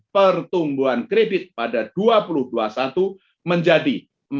pertumbuhan kredit pada dua ribu dua puluh satu menjadi empat puluh